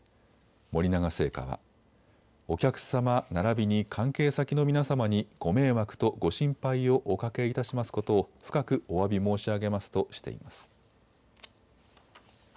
森永製菓は、お客様ならびに関係先の皆様にご迷惑とご心配をおかけいたしますことを深くおわび申し上げますとしています。